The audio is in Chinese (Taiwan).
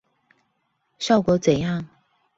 效果怎樣